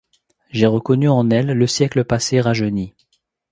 J’ai reconnu, en elle, le siècle passé rajeuni.